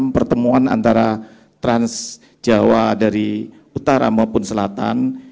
pertemuan antara trans jawa dari utara maupun selatan